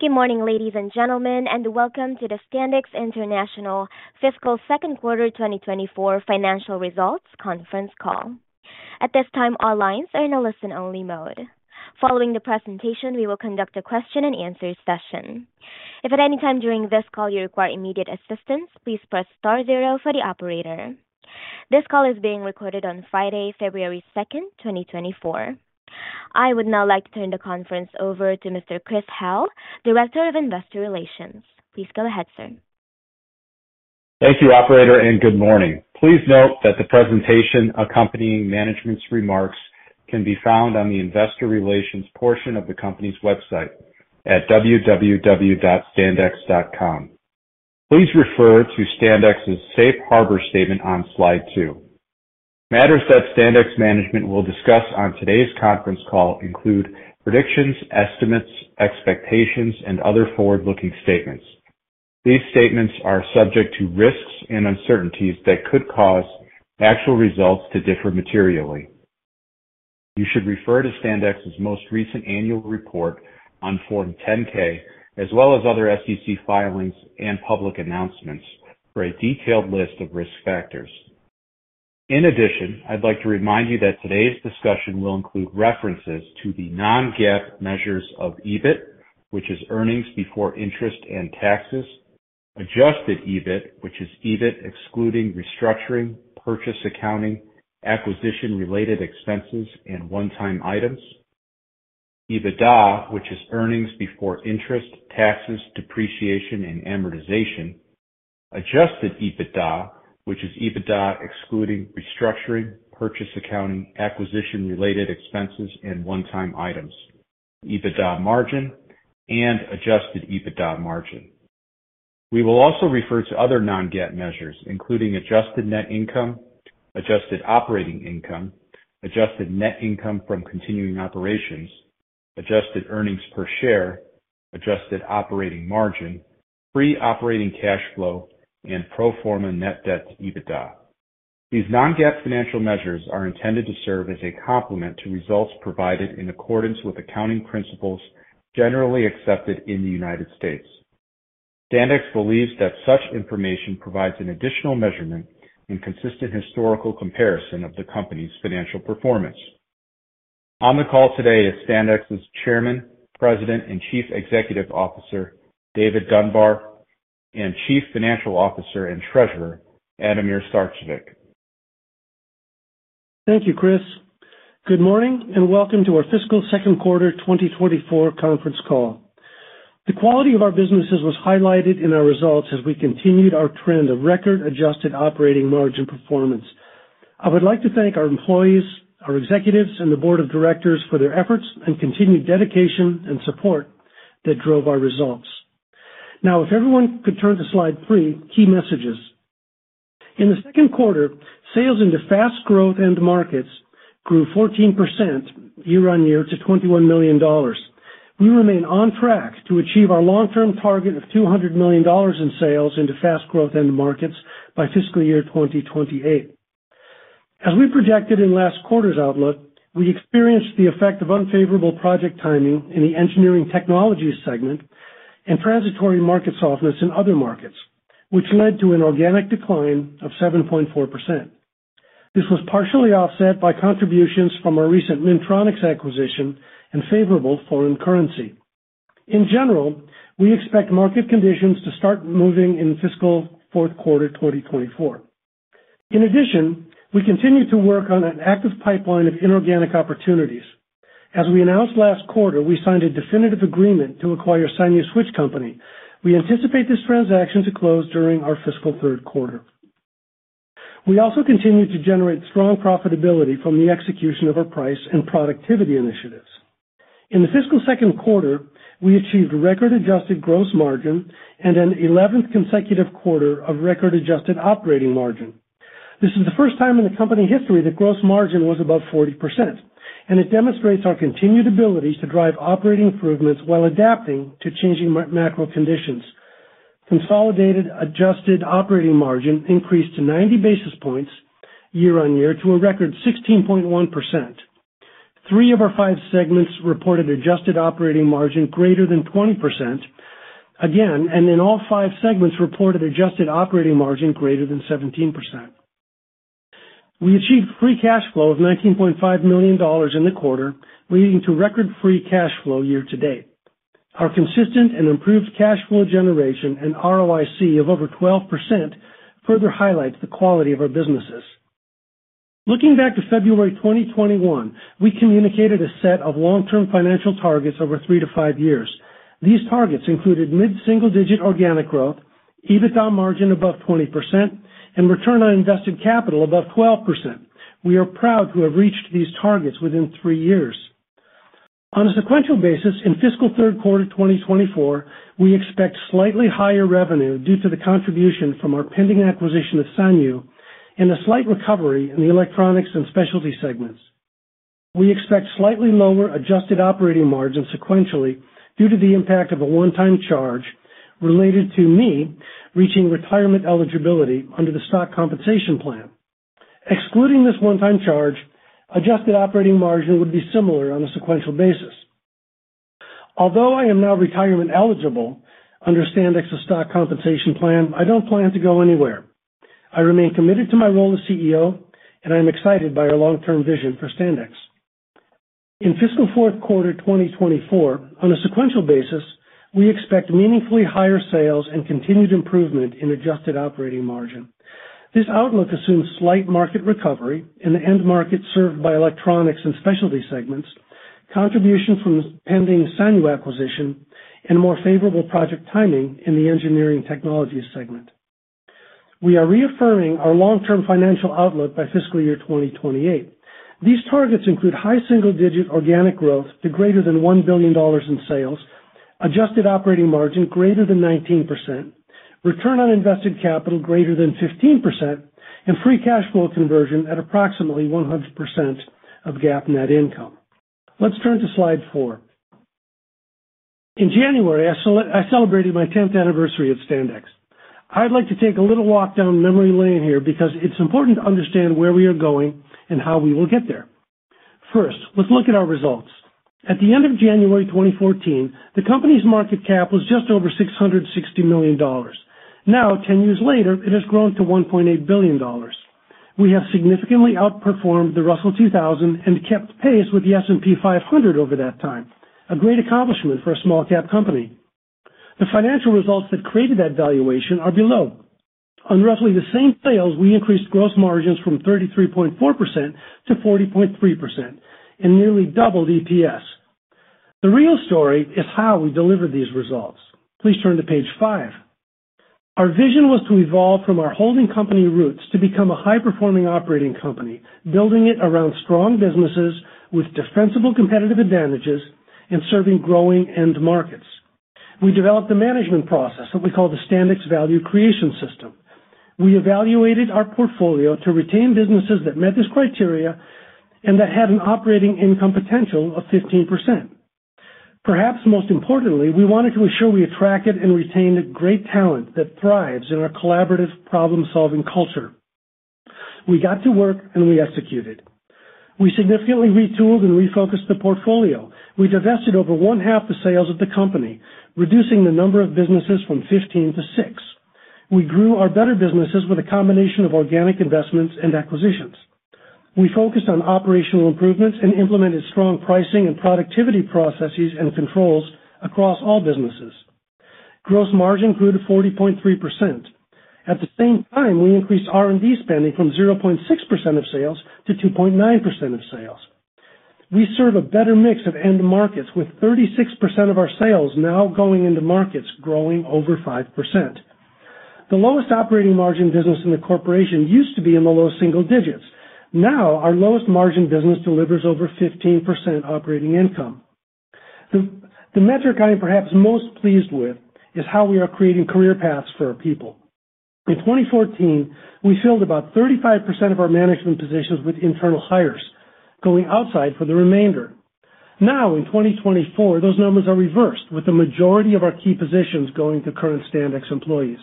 Good morning, ladies and gentlemen, and welcome to the Standex International Fiscal Second Quarter 2024 Financial Results Conference Call. At this time, all lines are in a listen-only mode. Following the presentation, we will conduct a question-and-answer session. If at any time during this call you require immediate assistance, please press star zero for the operator. This call is being recorded on Friday, February 2, 2024. I would now like to turn the conference over to Mr. Christopher Howe, Director of Investor Relations. Please go ahead, sir. Thank you, operator, and good morning. Please note that the presentation accompanying management's remarks can be found on the investor relations portion of the company's website at www.standex.com. Please refer to Standex's Safe Harbor statement on Slide Two. Matters that Standex management will discuss on today's conference call include predictions, estimates, expectations, and other forward-looking statements. These statements are subject to risks and uncertainties that could cause actual results to differ materially. You should refer to Standex's most recent annual report on Form 10-K, as well as other SEC filings and public announcements, for a detailed list of risk factors. In addition, I'd like to remind you that today's discussion will include references to the non-GAAP measures of EBIT, which is earnings before interest and taxes. Adjusted EBIT, which is EBIT excluding restructuring, purchase accounting, acquisition-related expenses, and one-time items. EBITDA, which is earnings before interest, taxes, depreciation, and amortization. Adjusted EBITDA, which is EBITDA excluding restructuring, purchase accounting, acquisition-related expenses, and one-time items, EBITDA margin, and adjusted EBITDA margin. We will also refer to other non-GAAP measures, including adjusted net income, adjusted operating income, adjusted net income from continuing operations, adjusted earnings per share, adjusted operating margin, free operating cash flow, and pro forma net debt to EBITDA. These non-GAAP financial measures are intended to serve as a complement to results provided in accordance with accounting principles generally accepted in the United States. Standex believes that such information provides an additional measurement and consistent historical comparison of the company's financial performance. On the call today is Standex's Chairman, President, and Chief Executive Officer, David Dunbar, and Chief Financial Officer and Treasurer, Ademir Sarcevic. Thank you, Chris. Good morning, and welcome to our fiscal second quarter 2024 conference call. The quality of our businesses was highlighted in our results as we continued our trend of record-adjusted operating margin performance. I would like to thank our employees, our executives, and the board of directors for their efforts and continued dedication and support that drove our results. Now, if everyone could turn to slide three, Key Messages. In the second quarter, sales into fast growth end markets grew 14% year-on-year to $21 million. We remain on track to achieve our long-term target of $200 million in sales into fast growth end markets by fiscal year 2028. As we projected in last quarter's outlook, we experienced the effect of unfavorable project timing in the Engineering Technology segment and transitory market softness in other markets, which led to an organic decline of 7.4%. This was partially offset by contributions from our recent Minntronix acquisition and favorable foreign currency. In general, we expect market conditions to start moving in fiscal fourth quarter 2024. In addition, we continue to work on an active pipeline of inorganic opportunities. As we announced last quarter, we signed a definitive agreement to acquire Sanyu Switch Company. We anticipate this transaction to close during our fiscal third quarter. We also continue to generate strong profitability from the execution of our price and productivity initiatives. In the fiscal second quarter, we achieved a record adjusted gross margin and an eleventh consecutive quarter of record adjusted operating margin. This is the first time in the company history that gross margin was above 40%, and it demonstrates our continued ability to drive operating improvements while adapting to changing macro conditions. Consolidated adjusted operating margin increased to 90 basis points year-over-year to a record 16.1%. Three of our five segments reported adjusted operating margin greater than 20%. Again, and in all five segments, reported adjusted operating margin greater than 17%. We achieved free cash flow of $19.5 million in the quarter, leading to record free cash flow year to date. Our consistent and improved cash flow generation and ROIC of over 12% further highlights the quality of our businesses. Looking back to February 2021, we communicated a set of long-term financial targets over three-five years. These targets included mid-single-digit organic growth, EBITDA margin above 20%, and return on invested capital above 12%. We are proud to have reached these targets within three years. On a sequential basis, in fiscal third quarter 2024, we expect slightly higher revenue due to the contribution from our pending acquisition of Sanyu and a slight recovery in the Electronics and Specialty segments. We expect slightly lower adjusted operating margin sequentially due to the impact of a one-time charge related to me reaching retirement eligibility under the Stock Compensation Plan. Excluding this one-time charge, adjusted operating margin would be similar on a sequential basis. Although I am now retirement eligible under Standex's stock compensation plan, I don't plan to go anywhere. I remain committed to my role as CEO, and I'm excited by our long-term vision for Standex. In fiscal fourth quarter, 2024, on a sequential basis, we expect meaningfully higher sales and continued improvement in adjusted operating margin. This outlook assumes slight market recovery in the end market served by Electronics and Specialty segments, contribution from the pending Sanyu acquisition, and more favorable project timing in the engineering technologies segment. We are reaffirming our long-term financial outlook by fiscal year 2028. These targets include high single-digit organic growth to greater than $1 billion in sales, adjusted operating margin greater than 19%, return on invested capital greater than 15%, and free cash flow conversion at approximately 100% of GAAP net income. Let's turn to slide four. In January, I celebrated my 10th anniversary at Standex. I'd like to take a little walk down memory lane here, because it's important to understand where we are going and how we will get there. First, let's look at our results. At the end of January 2014, the company's market cap was just over $660 million. Now, ten years later, it has grown to $1.8 billion. We have significantly outperformed the Russell 2000 and kept pace with the S&P 500 over that time, a great accomplishment for a small cap company. The financial results that created that valuation are below. On roughly the same sales, we increased gross margins from 33.4% to 40.3% and nearly doubled EPS. The real story is how we delivered these results. Please turn to page five. Our vision was to evolve from our holding company roots to become a high-performing operating company, building it around strong businesses with defensible competitive advantages and serving growing end markets. We developed a management process, what we call the Standex Value Creation System. We evaluated our portfolio to retain businesses that met this criteria and that had an operating income potential of 15%. Perhaps most importantly, we wanted to ensure we attracted and retained great talent that thrives in our collaborative, problem-solving culture. We got to work, and we executed. We significantly retooled and refocused the portfolio. We divested over one-half the sales of the company, reducing the number of businesses from 15 to six. We grew our better businesses with a combination of organic investments and acquisitions. We focused on operational improvements and implemented strong pricing and productivity processes and controls across all businesses. Gross margin grew to 40.3%. At the same time, we increased R&D spending from 0.6% of sales to 2.9% of sales. We serve a better mix of end markets, with 36% of our sales now going into markets growing over 5%. The lowest operating margin business in the corporation used to be in the low single digits. Now, our lowest margin business delivers over 15% operating income. The metric I am perhaps most pleased with is how we are creating career paths for our people. In 2014, we filled about 35% of our management positions with internal hires, going outside for the remainder. Now, in 2024, those numbers are reversed, with the majority of our key positions going to current Standex employees.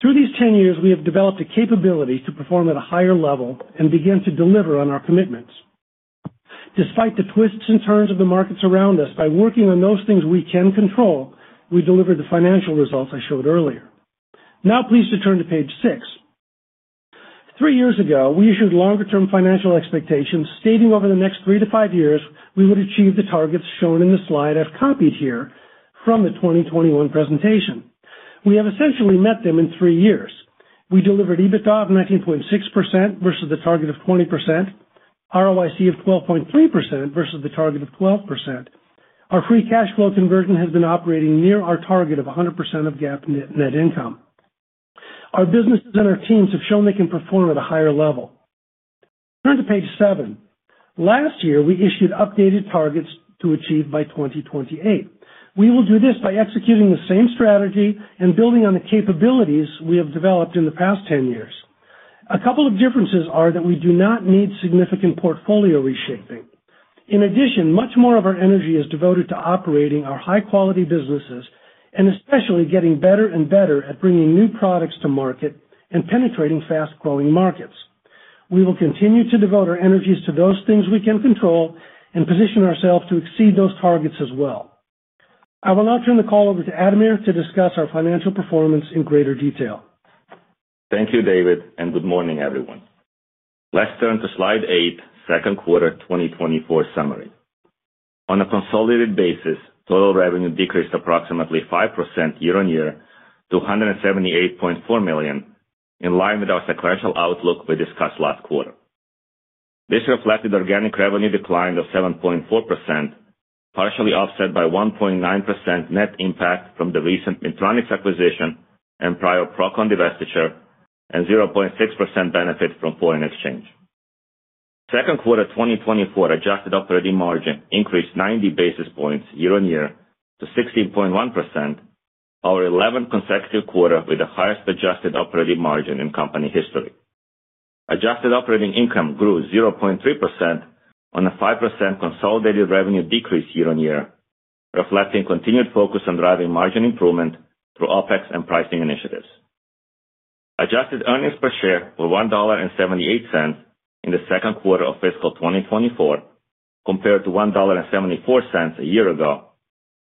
Through these 10 years, we have developed a capability to perform at a higher level and begin to deliver on our commitments. Despite the twists and turns of the markets around us, by working on those things we can control, we delivered the financial results I showed earlier. Now, please turn to page six. Three years ago, we issued longer-term financial expectations, stating over the next three-five years we would achieve the targets shown in the slide I've copied here from the 2021 presentation. We have essentially met them in three years. We delivered EBITDA of 19.6% versus the target of 20%, ROIC of 12.3% versus the target of 12%. Our free cash flow conversion has been operating near our target of 100% of GAAP net income. Our businesses and our teams have shown they can perform at a higher level. Turn to page seven. Last year, we issued updated targets to achieve by 2028. We will do this by executing the same strategy and building on the capabilities we have developed in the past 10 years. A couple of differences are that we do not need significant portfolio reshaping. In addition, much more of our energy is devoted to operating our high-quality businesses and especially getting better and better at bringing new products to market and penetrating fast-growing markets. We will continue to devote our energies to those things we can control and position ourselves to exceed those targets as well. I will now turn the call over to Ademir to discuss our financial performance in greater detail. Thank you, David, and good morning, everyone. Let's turn to slide eight, second quarter 2024 summary. On a consolidated basis, total revenue decreased approximately 5% year-on-year to $178.4 million, in line with our sequential outlook we discussed last quarter. This reflected organic revenue decline of 7.4%, partially offset by 1.9% net impact from the recent Minntronix acquisition and prior Procon divestiture and 0.6% benefit from foreign exchange. Second quarter 2024 adjusted operating margin increased 90 basis points year-on-year to 16.1%, our 11th consecutive quarter with the highest adjusted operating margin in company history. Adjusted operating income grew 0.3% on a 5% consolidated revenue decrease year-on-year, reflecting continued focus on driving margin improvement through OpEx and pricing initiatives. Adjusted earnings per share were $1.78 in the second quarter of fiscal 2024, compared to $1.74 a year ago,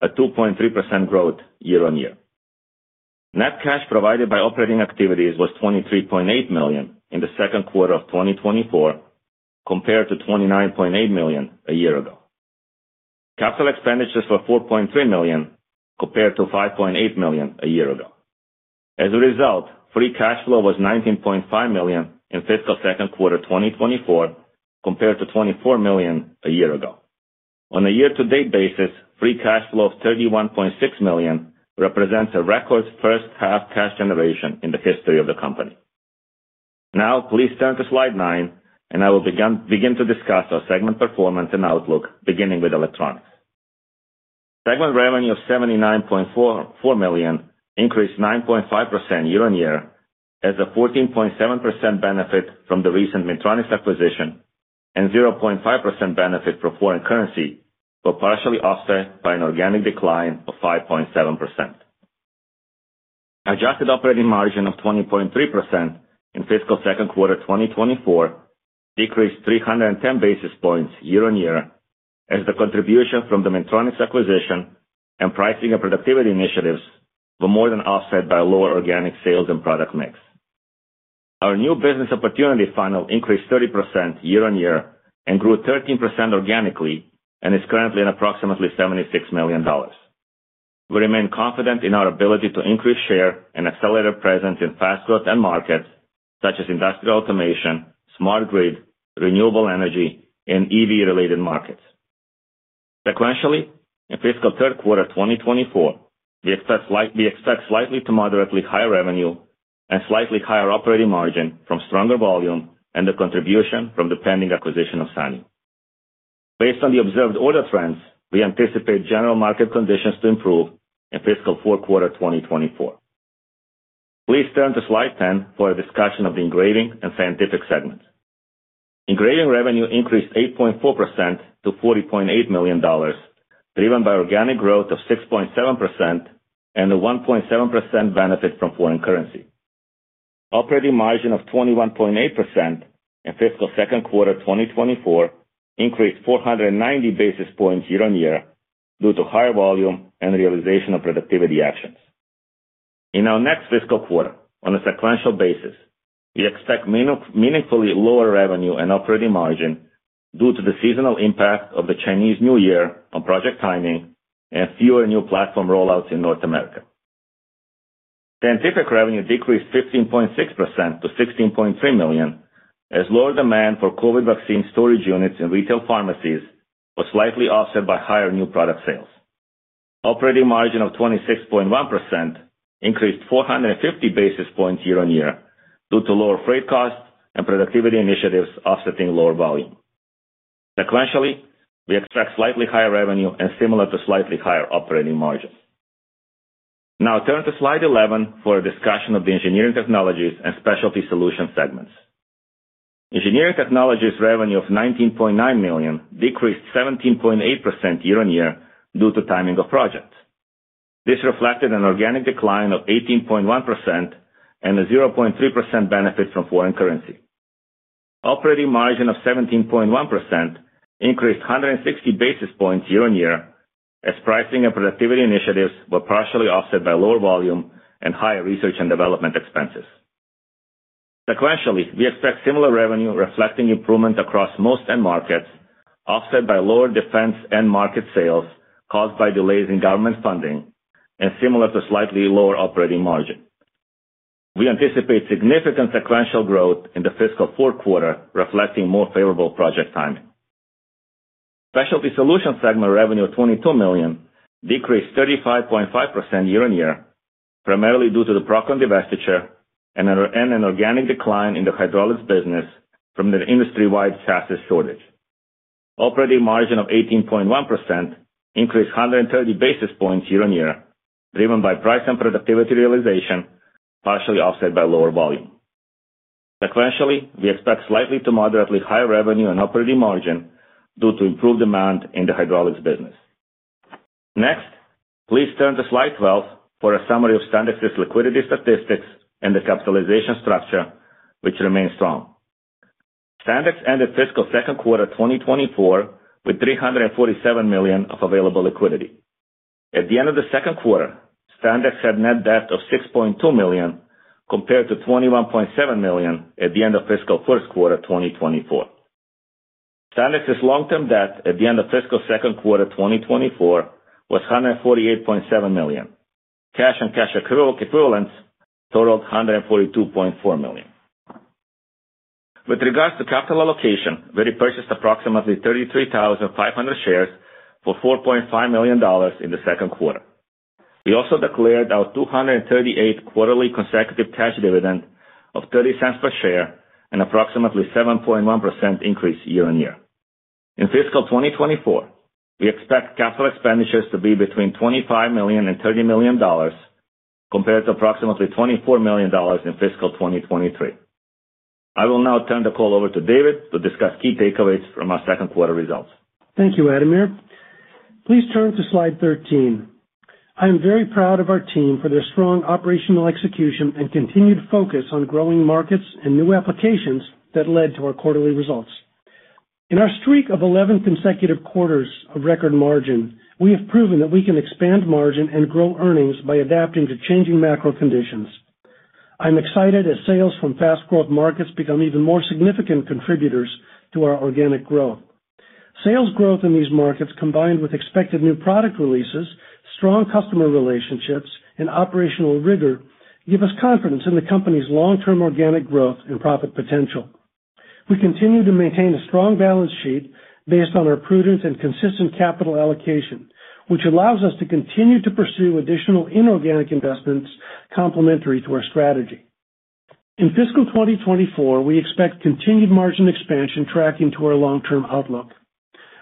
a 2.3% growth year-on-year. Net cash provided by operating activities was $23.8 million in the second quarter of 2024, compared to $29.8 million a year ago. Capital expenditures were $4.3 million, compared to $5.8 million a year ago. As a result, free cash flow was $19.5 million in fiscal second quarter 2024, compared to $24 million a year ago. On a year-to-date basis, free cash flow of $31.6 million represents a record first half cash generation in the history of the company. Now, please turn to slide nine, and I will begin to discuss our segment performance and outlook, beginning with Electronics. Segment revenue of $79.44 million increased 9.5% year-on-year, as a 14.7% benefit from the recent Minntronix acquisition, and 0.5% benefit from foreign currency, were partially offset by an organic decline of 5.7%. Adjusted operating margin of 20.3% in fiscal second quarter 2024 decreased 310 basis points year-on-year, as the contribution from the Minntronix acquisition and pricing and productivity initiatives were more than offset by lower organic sales and product mix. Our new business opportunity funnel increased 30% year-on-year and grew 13% organically, and is currently at approximately $76 million. We remain confident in our ability to increase share and accelerate our presence in fast growth end markets, such as industrial automation, smart grid, renewable energy, and EV-related markets. Sequentially, in fiscal third quarter 2024, we expect slightly to moderately higher revenue and slightly higher operating margin from stronger volume and the contribution from the pending acquisition of Sanyu. Based on the observed order trends, we anticipate general market conditions to improve in fiscal fourth quarter 2024. Please turn to slide 10 for a discussion of the Engraving and Scientific segments. Engraving revenue increased 8.4% to $40.8 million, driven by organic growth of 6.7% and a 1.7% benefit from foreign currency. Operating margin of 21.8% in fiscal second quarter 2024 increased 490 basis points year-on-year, due to higher volume and realization of productivity actions. In our next fiscal quarter, on a sequential basis, we expect meaningfully lower revenue and operating margin due to the seasonal impact of the Chinese New Year on project timing and fewer new platform rollouts in North America. Scientific revenue decreased 15.6% to $16.3 million, as lower demand for COVID vaccine storage units in retail pharmacies was slightly offset by higher new product sales. Operating margin of 26.1% increased 450 basis points year-on-year, due to lower freight costs and productivity initiatives offsetting lower volume. Sequentially, we expect slightly higher revenue and similar to slightly higher operating margins. Now turn to slide 11 for a discussion of the Engineering Technologies and Specialty Solutions segments. Engineering Technologies revenue of $19.9 million decreased 17.8% year-on-year due to timing of projects. This reflected an organic decline of 18.1% and a 0.3% benefit from foreign currency. Operating margin of 17.1% increased 160 basis points year-on-year, as pricing and productivity initiatives were partially offset by lower volume and higher research and development expenses. Sequentially, we expect similar revenue, reflecting improvement across most end markets, offset by lower defense end market sales caused by delays in government funding and similar to slightly lower operating margin. We anticipate significant sequential growth in the fiscal fourth quarter, reflecting more favorable project timing. Specialty Solutions segment revenue of $22 million decreased 35.5% year-on-year, primarily due to the Procon divestiture and an organic decline in the hydraulics business from the industry-wide chassis shortage. Operating margin of 18.1% increased 130 basis points year-on-year, driven by price and productivity realization, partially offset by lower volume. Sequentially, we expect slightly to moderately higher revenue and operating margin due to improved demand in the hydraulics business. Next, please turn to slide 12 for a summary of Standex's liquidity statistics and the capitalization structure, which remains strong. Standex ended fiscal second quarter 2024 with $347 million of available liquidity. At the end of the second quarter, Standex had net debt of $6.2 million, compared to $21.7 million at the end of fiscal first quarter 2024. Standex's long-term debt at the end of fiscal second quarter 2024 was $148.7 million. Cash and cash equivalents totaled $142.4 million. With regards to capital allocation, we repurchased approximately 33,500 shares for $4.5 million in the second quarter. We also declared our 238 quarterly consecutive cash dividend of $0.30 per share and approximately 7.1% increase year-on-year. In fiscal 2024, we expect capital expenditures to be between $25 million and $30 million, compared to approximately $24 million in fiscal 2023.... I will now turn the call over to David to discuss key takeaways from our second quarter results. Thank you, Ademir. Please turn to slide 13. I am very proud of our team for their strong operational execution and continued focus on growing markets and new applications that led to our quarterly results. In our streak of 11 consecutive quarters of record margin, we have proven that we can expand margin and grow earnings by adapting to changing macro conditions. I'm excited as sales from fast growth markets become even more significant contributors to our organic growth. Sales growth in these markets, combined with expected new product releases, strong customer relationships, and operational rigor, give us confidence in the company's long-term organic growth and profit potential. We continue to maintain a strong balance sheet based on our prudent and consistent capital allocation, which allows us to continue to pursue additional inorganic investments complementary to our strategy. In fiscal 2024, we expect continued margin expansion tracking to our long-term outlook.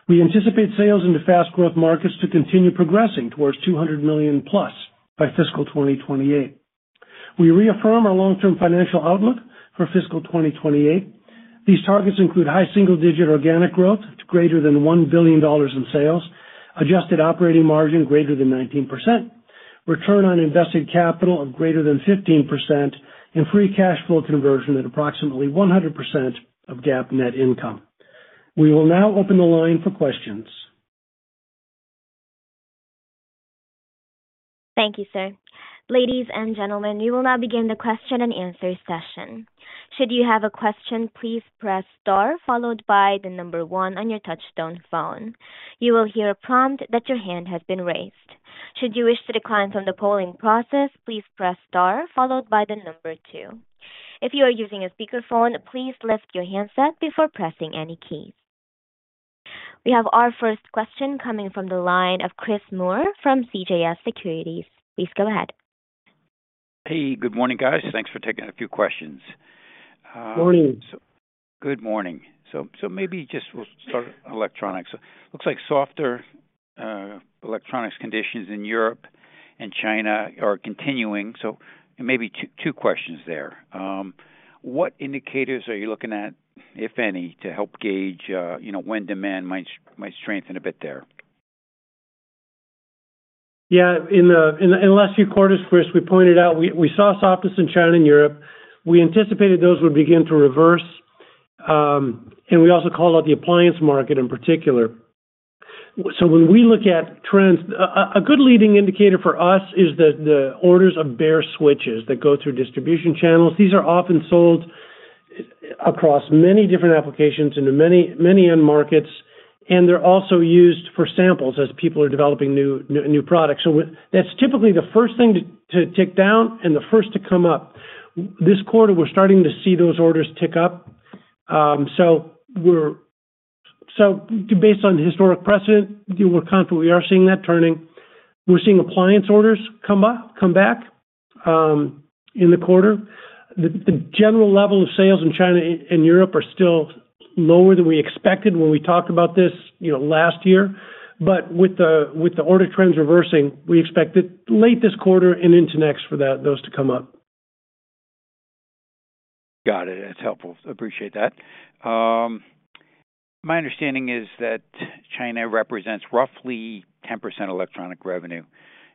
We anticipate sales in the fast growth markets to continue progressing towards $200 million+ by fiscal 2028. We reaffirm our long-term financial outlook for fiscal 2028. These targets include high single-digit organic growth to greater than $1 billion in sales, Adjusted Operating Margin greater than 19%, return on invested capital of greater than 15%, and free cash flow conversion at approximately 100% of GAAP net income. We will now open the line for questions. Thank you, sir. Ladies and gentlemen, we will now begin the question-and-answer session. Should you have a question, please press star, followed by the number one on your touchtone phone. You will hear a prompt that your hand has been raised. Should you wish to decline from the polling process, please press star followed by the number two. If you are using a speakerphone, please lift your handset before pressing any keys. We have our first question coming from the line of Chris Moore from CJS Securities. Please go ahead. Hey, good morning, guys. Thanks for taking a few questions. Morning. Good morning. So maybe just we'll start with Electronics. Looks like softer Electronics conditions in Europe and China are continuing. So maybe two questions there. What indicators are you looking at, if any, to help gauge you know, when demand might strengthen a bit there? Yeah, in the last few quarters, Chris, we pointed out we saw softness in China and Europe. We anticipated those would begin to reverse, and we also called out the appliance market in particular. So when we look at trends, a good leading indicator for us is the orders of reed switches that go through distribution channels. These are often sold across many different applications into many end markets, and they're also used for samples as people are developing new products. So that's typically the first thing to tick down and the first to come up. This quarter, we're starting to see those orders tick up. So based on historic precedent, we're confident we are seeing that turning. We're seeing appliance orders come back in the quarter. The general level of sales in China and Europe are still lower than we expected when we talked about this, you know, last year. But with the order trends reversing, we expect it late this quarter and into next for that, those to come up. Got it. That's helpful. Appreciate that. My understanding is that China represents roughly 10% Electronics revenue.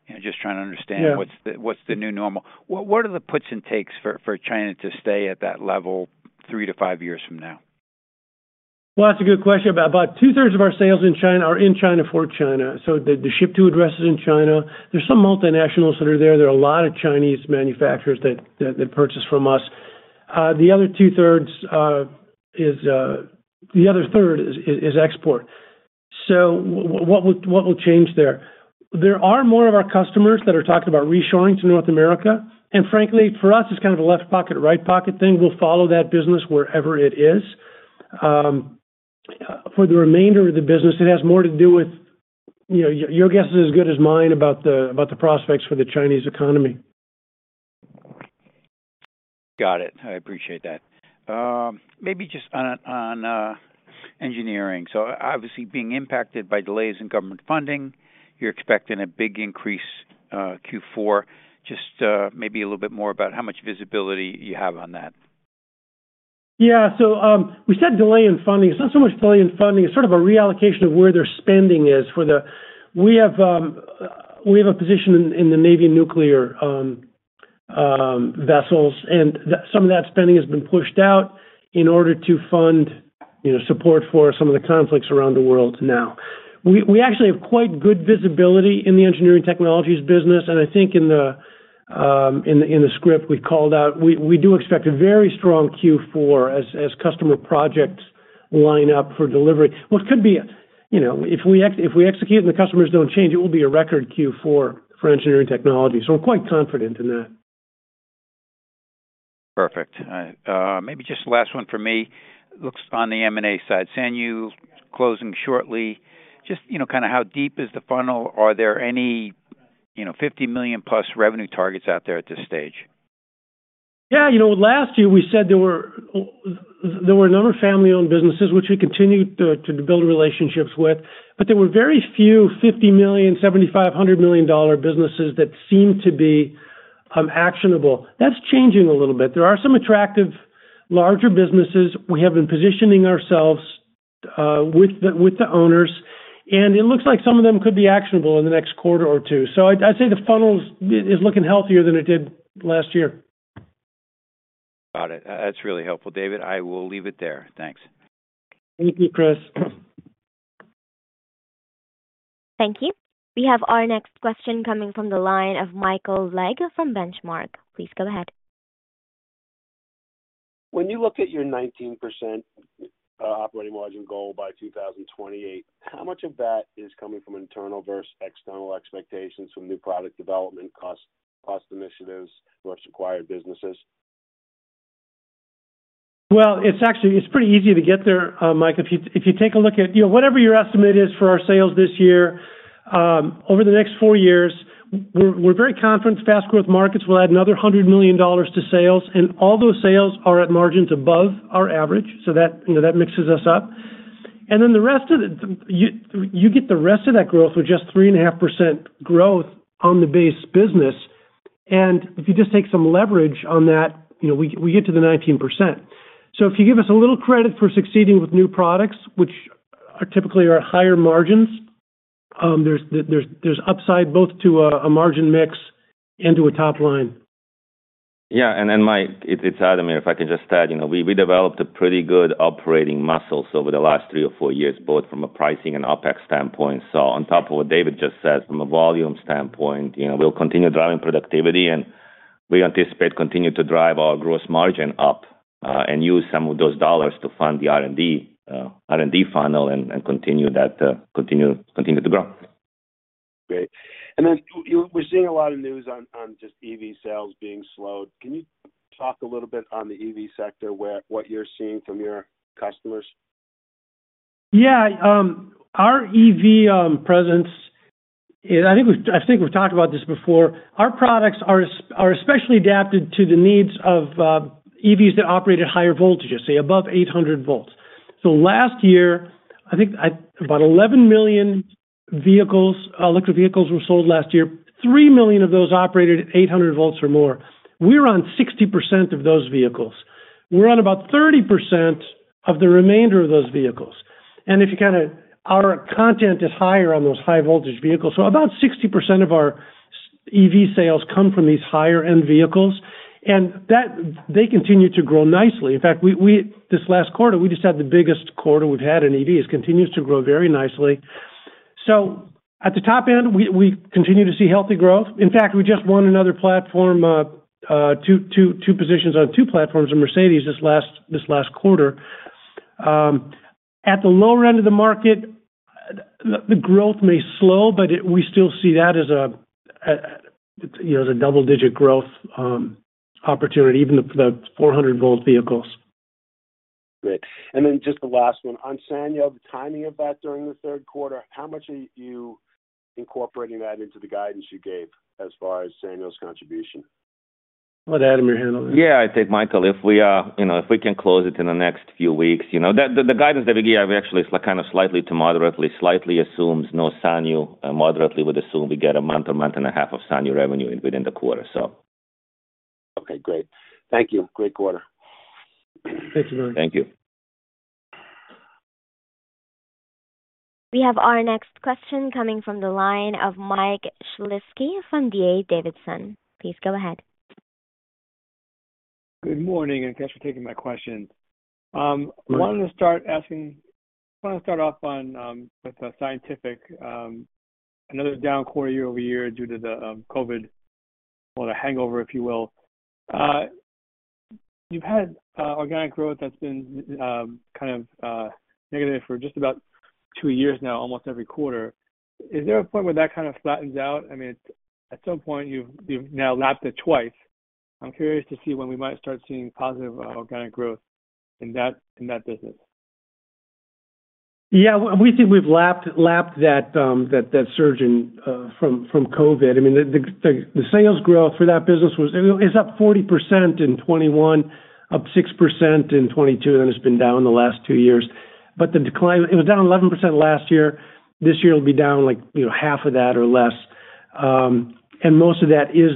And just trying to understand- Yeah. What's the new normal? What are the puts and takes for China to stay at that level three to five years from now? Well, that's a good question. About two-thirds of our sales in China are in China for China. So they ship to addresses in China. There's some multinationals that are there. There are a lot of Chinese manufacturers that purchase from us. The other third is export. So what would change there? There are more of our customers that are talking about reshoring to North America, and frankly, for us, it's kind of a left pocket, right pocket thing. We'll follow that business wherever it is. For the remainder of the business, it has more to do with, you know, your guess is as good as mine about the prospects for the Chinese economy. Got it. I appreciate that. Maybe just on engineering. So obviously, being impacted by delays in government funding, you're expecting a big increase, Q4. Just maybe a little bit more about how much visibility you have on that. Yeah. So, we said delay in funding. It's not so much delay in funding, it's sort of a reallocation of where their spending is for the... We have a position in the Navy nuclear vessels, and some of that spending has been pushed out in order to fund, you know, support for some of the conflicts around the world now. We actually have quite good visibility in the Engineering Technologies business, and I think in the script we called out, we do expect a very strong Q4 as customer projects line up for delivery. Well, it could be, you know, if we execute and the customers don't change, it will be a record Q4 for Engineering Technologies, so we're quite confident in that. Perfect. Maybe just last one for me. Looks on the M&A side, Sanyu closing shortly. Just, you know, kind of how deep is the funnel? Are there any, you know, $50 million+ revenue targets out there at this stage? Yeah, you know, last year we said there were, there were a number of family-owned businesses, which we continued to, to build relationships with, but there were very few $50 million, $75, $100 million dollar businesses that seemed to be, actionable. That's changing a little bit. There are some attractive larger businesses. We have been positioning ourselves with the, with the owners, and it looks like some of them could be actionable in the next quarter or two. So I'd, I'd say the funnel is, is looking healthier than it did last year. Got it. That's really helpful, David. I will leave it there. Thanks. Thank you, Chris. Thank you. We have our next question coming from the line of Michael Legg from Benchmark. Please go ahead. When you look at your 19% operating margin goal by 2028, how much of that is coming from internal versus external expectations from new product development, cost, cost initiatives versus acquired businesses? Well, it's actually. It's pretty easy to get there, Mike, if you, if you take a look at, you know, whatever your estimate is for our sales this year, over the next four years, we're, we're very confident fast growth markets will add another $100 million to sales, and all those sales are at margins above our average, so that, you know, that mixes us up. And then the rest of it, you, you get the rest of that growth with just 3.5% growth on the base business. And if you just take some leverage on that, you know, we, we get to the 19%. So if you give us a little credit for succeeding with new products, which are typically higher margins, there's, there's upside both to a margin mix and to a top line. Yeah, and then, Mike, it's Ademir here. If I can just add, you know, we developed a pretty good operating muscles over the last three or four years, both from a pricing and OpEx standpoint. So on top of what David just said, from a volume standpoint, you know, we'll continue driving productivity, and we anticipate continue to drive our gross margin up, and use some of those dollars to fund the R&D funnel and continue to grow. Great. And then we're seeing a lot of news on, on just EV sales being slowed. Can you talk a little bit on the EV sector, where—what you're seeing from your customers? Yeah, our EV presence is... I think we've, I think we've talked about this before. Our products are especially adapted to the needs of EVs that operate at higher voltages, say, above 800 volts. So last year, I think about 11 million vehicles, electric vehicles were sold last year. Three million of those operated at 800 volts or more. We're on 60% of those vehicles. We're on about 30% of the remainder of those vehicles. And if you kind of... Our content is higher on those high-voltage vehicles, so about 60% of our EV sales come from these higher end vehicles, and they continue to grow nicely. In fact, we this last quarter, we just had the biggest quarter we've had in EVs, continues to grow very nicely. So at the top end, we continue to see healthy growth. In fact, we just won another platform, two positions on two platforms in Mercedes this last quarter. At the lower end of the market, the growth may slow, but we still see that as a, you know, as a double-digit growth opportunity, even the 400-volt vehicles. Great. And then just the last one. On Sanyu, the timing of that during the third quarter, how much are you incorporating that into the guidance you gave as far as Sanyu's contribution? I'll let Ademir handle that. Yeah, I think, Michael, if we, you know, if we can close it in the next few weeks, you know, the guidance that we give, actually is like kind of slightly to moderately, slightly assumes no Sanyu, and moderately would assume we get a month or month and a half of Sanyu revenue within the quarter, so. Okay, great. Thank you. Great quarter. Thank you very much. Thank you. We have our next question coming from the line of Mike Shlisky from D.A. Davidson. Please go ahead. Good morning, and thanks for taking my questions. I wanted to start asking—wanna start off on with Scientific, another down quarter year-over-year due to the COVID or the hangover, if you will. You've had organic growth that's been kind of negative for just about two years now, almost every quarter. Is there a point where that kind of flattens out? I mean, at some point, you've now lapped it twice. I'm curious to see when we might start seeing positive organic growth in that business. Yeah, we think we've lapped that surge from COVID. I mean, the sales growth for that business was, you know, up 40% in 2021, up 6% in 2022, and it's been down the last two years. But the decline, it was down 11% last year. This year it'll be down like, you know, half of that or less. And most of that is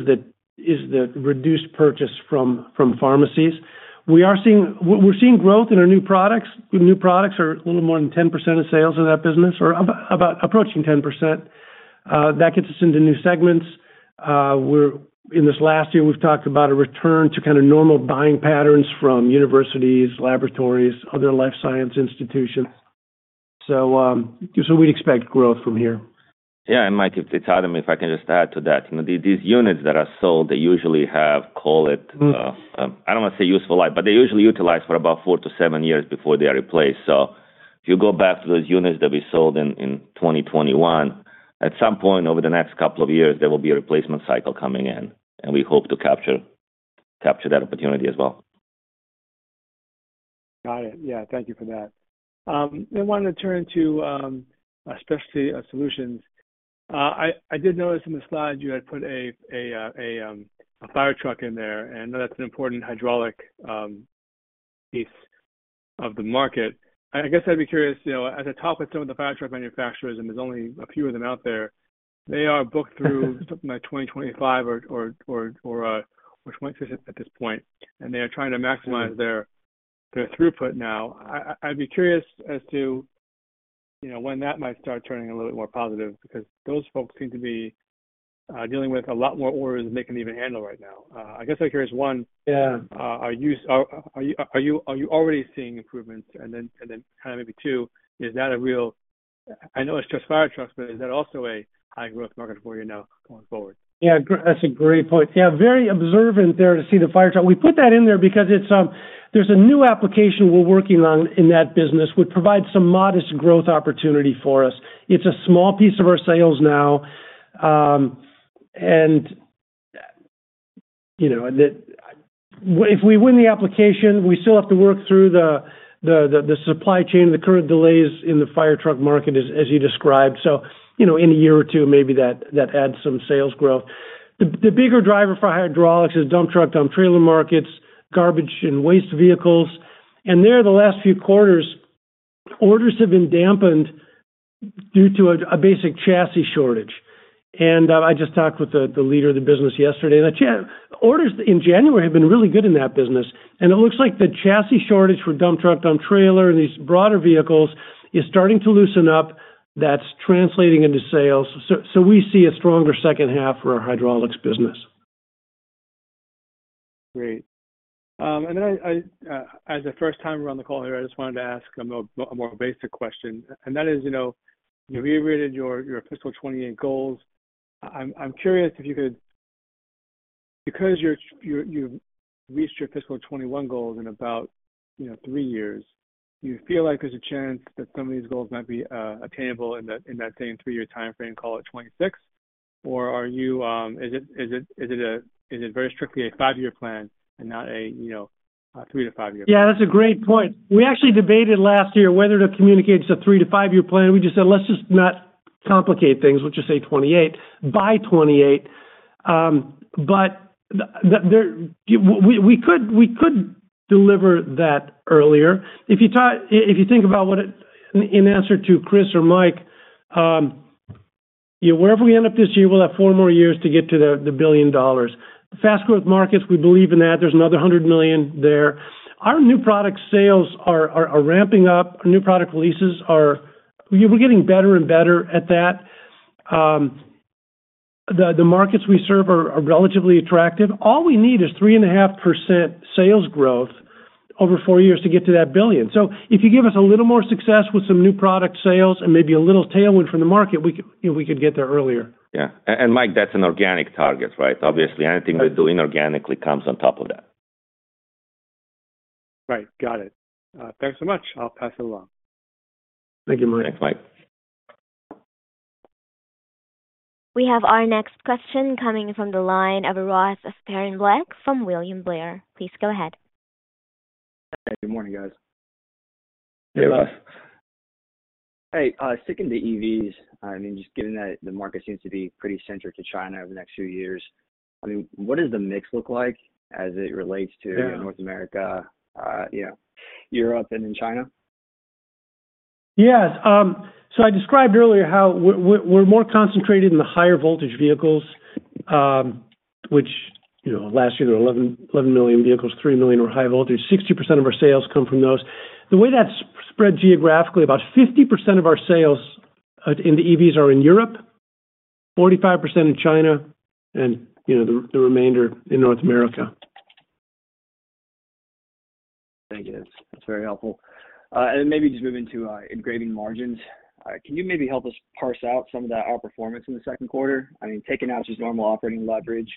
the reduced purchase from pharmacies. We're seeing growth in our new products. New products are a little more than 10% of sales of that business, or about approaching 10%. That gets us into new segments. In this last year, we've talked about a return to kind of normal buying patterns from universities, laboratories, other life science institutions. So we'd expect growth from here. Yeah, and Mike, if it's Ademir. If I can just add to that. You know, these units that are sold, they usually have, call it, I don't want to say useful life, but they usually utilize for about four-seven years before they are replaced. So if you go back to those units that we sold in 2021, at some point over the next couple of years, there will be a replacement cycle coming in, and we hope to capture that opportunity as well. Got it. Yeah, thank you for that. I wanted to turn to, Specialty Solutions. I did notice in the slide you had put a firetruck in there, and I know that's an important hydraulic piece of the market. I guess I'd be curious, you know, at the top of some of the firetruck manufacturers, and there's only a few of them out there. They are booked through something like 2025 which went through at this point, and they are trying to maximize their throughput now. I'd be curious as to, you know, when that might start turning a little bit more positive, because those folks seem to be dealing with a lot more orders than they can even handle right now. I guess I'm curious, one- Yeah. Are you already seeing improvements? And then, kind of maybe too, is that a real—I know it's just fire trucks, but is that also a high growth market for you now going forward? Yeah, that's a great point. Yeah, very observant there to see the fire truck. We put that in there because it's, there's a new application we're working on in that business, would provide some modest growth opportunity for us. It's a small piece of our sales now. And, you know, if we win the application, we still have to work through the supply chain, the current delays in the fire truck market, as you described. So, you know, in a year or two, maybe that adds some sales growth. The bigger driver for Hydraulics is dump truck, dump trailer markets, garbage and waste vehicles. And there, the last few quarters, orders have been dampened due to a basic chassis shortage. I just talked with the leader of the business yesterday, and the chassis orders in January have been really good in that business. And it looks like the chassis shortage for dump truck, dump trailer, and these broader vehicles is starting to loosen up. That's translating into sales. So we see a stronger second half for our Hydraulics business. Great. And then I as a first-timer on the call here, I just wanted to ask a more basic question, and that is, you know, you reiterated your fiscal 2028 goals. I'm curious if you could—because you've reached your fiscal 2021 goals in about, you know, three years, do you feel like there's a chance that some of these goals might be attainable in that same three-year timeframe, call it 2026? Or are you, is it a very strictly a five-year plan and not a, you know, three- to five-year? Yeah, that's a great point. We actually debated last year whether to communicate it's a three-five-year plan. We just said, "Let's just not complicate things, we'll just say 2028 by 2028." But there we could deliver that earlier. If you think about what it... In answer to Chris or Mike, yeah, wherever we end up this year, we'll have four more years to get to the $1 billion. Fast growth markets, we believe in that. There's another $100 million there. Our new product sales are ramping up. Our new product releases are... We're getting better and better at that. The markets we serve are relatively attractive. All we need is 3.5% sales growth over four years to get to that $1 billion. So if you give us a little more success with some new product sales and maybe a little tailwind from the market, we could, you know, we could get there earlier. Yeah. And, Mike, that's an organic target, right? Obviously, anything we're doing organically comes on top of that. Right. Got it. Thanks so much. I'll pass it along. Thank you, Mike. Thanks, Mike. We have our next question coming from the line of Ross Sparenblek from William Blair. Please go ahead. Good morning, guys. Hey, Ross. Hey, sticking to EVs, I mean, just given that the market seems to be pretty centered to China over the next few years, I mean, what does the mix look like as it relates to- Yeah - North America, you know, Europe and in China? Yes. So I described earlier how we're more concentrated in the higher voltage vehicles, which, you know, last year there were 11 million vehicles, three million were high voltage. 60% of our sales come from those. The way that's spread geographically, about 50% of our sales in the EVs are in Europe, 45% in China, and you know, the remainder in North America. Thank you. That's, that's very helpful. And then maybe just moving to Engraving margins. Can you maybe help us parse out some of that outperformance in the second quarter? I mean, taking out just normal operating leverage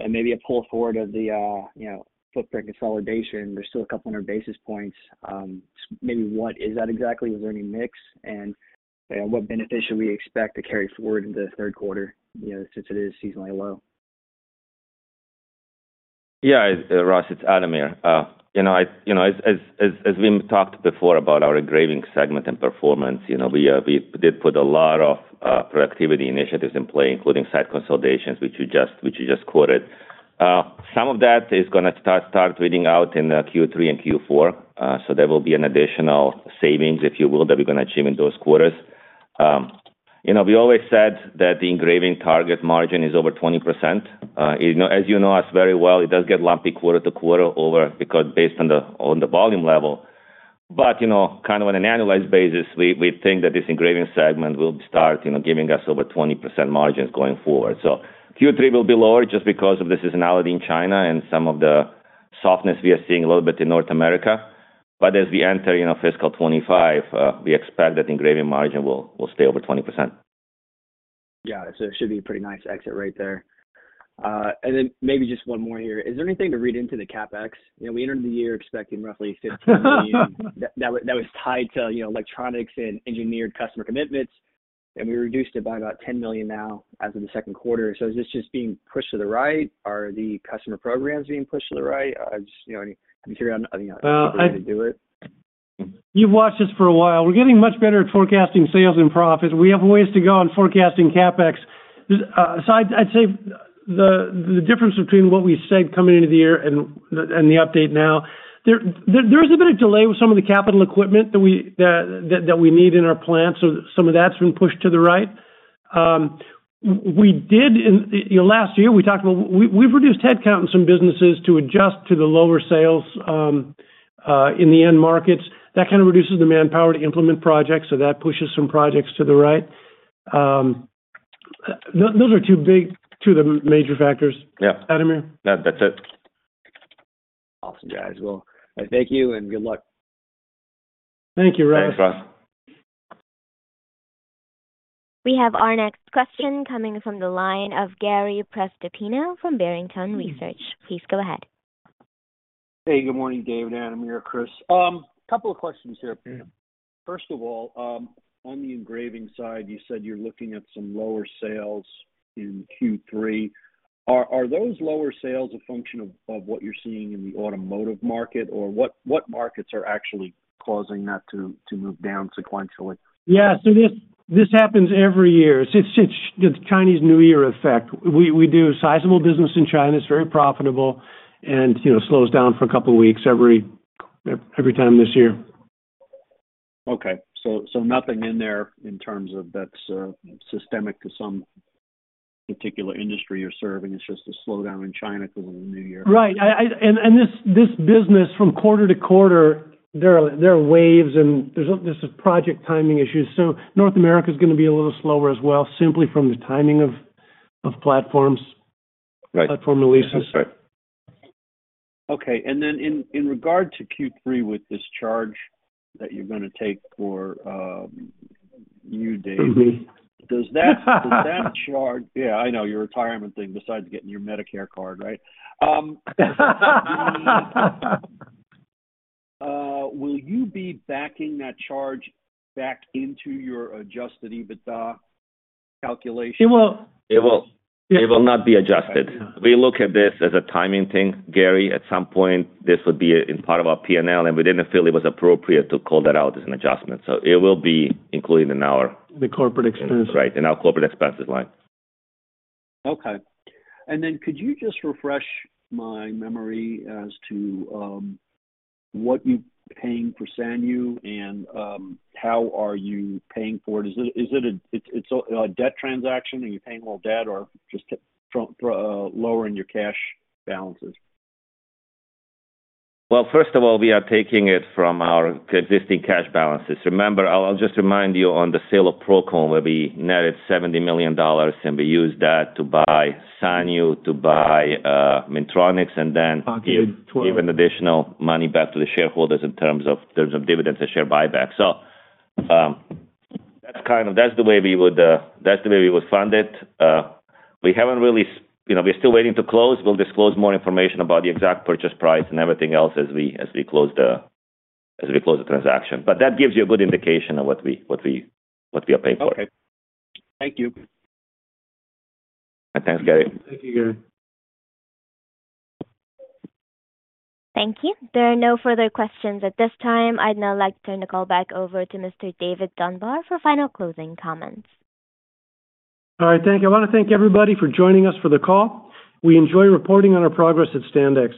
and maybe a pull forward of the, you know, footprint consolidation, there's still a couple hundred basis points. Maybe what is that exactly? Is there any mix, and, and what benefit should we expect to carry forward in the third quarter, you know, since it is seasonally low? Yeah, Ross, it's Ademir. You know, you know, as we talked before about our Engraving segment and performance, you know, we did put a lot of productivity initiatives in play, including site consolidations, which you just quoted. Some of that is gonna start reading out in Q3 and Q4, so there will be an additional savings, if you will, that we're gonna achieve in those quarters. You know, we always said that the Engraving target margin is over 20%. You know, as you know us very well, it does get lumpy quarter-over-quarter because based on the volume level. But, you know, kind of on an annualized basis, we think that this Engraving segment will start giving us over 20% margins going forward. So Q3 will be lower just because of the seasonality in China and some of the softness we are seeing a little bit in North America. But as we enter, you know, fiscal 2025, we expect that Engraving margin will, will stay over 20%. Yeah, so it should be a pretty nice exit right there. And then maybe just one more here. Is there anything to read into the CapEx? You know, we entered the year expecting roughly $15 million. That was tied to, you know, Electronics and engineered customer commitments, and we reduced it by about $10 million now as of the second quarter. So is this just being pushed to the right? Are the customer programs being pushed to the right? Just, you know, I'm curious, you know, how to do it. Well, you've watched this for a while. We're getting much better at forecasting sales and profits. We have a ways to go on forecasting CapEx. So I'd say the difference between what we said coming into the year and the update now, there is a bit of delay with some of the capital equipment that we need in our plants, so some of that's been pushed to the right. We did, you know, last year, we talked about we've reduced headcount in some businesses to adjust to the lower sales in the end markets. That kind of reduces the manpower to implement projects, so that pushes some projects to the right. Those are two big, two of the major factors. Yeah. Ademir? That, that's it. Awesome, guys. Well, thank you, and good luck. Thank you, Ross. Thanks, Ross. We have our next question coming from the line of Gary Prestopino from Barrington Research. Please go ahead. Hey, good morning, Dave and Ademir, Chris. Couple of questions here. First of all, on the Engraving side, you said you're looking at some lower sales in Q3. Are those lower sales a function of what you're seeing in the automotive market? Or what markets are actually causing that to move down sequentially? Yeah. So this happens every year. It's the Chinese New Year effect. We do sizable business in China. It's very profitable and, you know, slows down for a couple of weeks every time this year. Okay. So, so nothing in there in terms of that's systemic to some particular industry you're serving. It's just a slowdown in China because of the New Year. Right. And this business from quarter to quarter, there are waves, and this is project timing issues. So North America is gonna be a little slower as well, simply from the timing of platforms- Right. -platform releases. That's right. Okay, and then in regard to Q3, with this charge that you're gonna take for, you, Dave- Mm-hmm. Does that charge... Yeah, I know, your retirement thing, besides getting your Medicare card, right? Will you be backing that charge back into your Adjusted EBITDA calculation? It will. It will. It will not be adjusted. Okay. We look at this as a timing thing, Gary. At some point, this would be in part of our P&L, and we didn't feel it was appropriate to call that out as an adjustment. So it will be included in our- The corporate expenses. Right, in our corporate expenses line. Okay. And then could you just refresh my memory as to what you're paying for Sanyu and how are you paying for it? Is it a debt transaction? Are you paying all debt or just from lowering your cash balances? Well, first of all, we are taking it from our existing cash balances. Remember, I'll just remind you on the sale of Procon, where we netted $70 million, and we used that to buy Sanyu, to buy Minntronix, and then- Pocketed twelve. Give an additional money back to the shareholders in terms of, in terms of dividends and share buyback. So, that's kind of. That's the way we would, that's the way we would fund it. We haven't really, you know, we're still waiting to close. We'll disclose more information about the exact purchase price and everything else as we, as we close the, as we close the transaction. But that gives you a good indication of what we, what we, what we are paying for it. Okay. Thank you. Thanks, Gary. Thank you, Gary. Thank you. There are no further questions at this time. I'd now like to turn the call back over to Mr. David Dunbar for final closing comments. All right. Thank you. I want to thank everybody for joining us for the call. We enjoy reporting on our progress at Standex.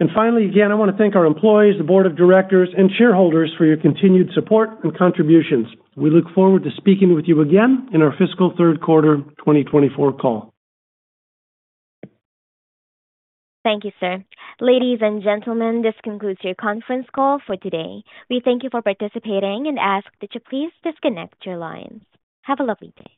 And finally, again, I want to thank our employees, the board of directors, and shareholders for your continued support and contributions. We look forward to speaking with you again in our fiscal third quarter 2024 call. Thank you, sir. Ladies and gentlemen, this concludes your conference call for today. We thank you for participating and ask that you please disconnect your lines. Have a lovely day.